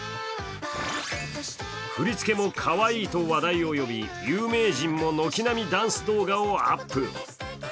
振り付けもカワイイと話題を呼び、有名人も軒並みダンス動画をアップ。